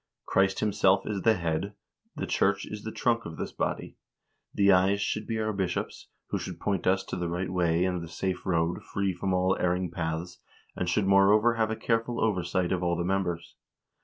"Christ himself is the head, the church is the trunk of this body. The eyes should be our bishops, who should point us to the right way and the safe road, free from all erring paths, and should moreover have a careful oversight of all the members.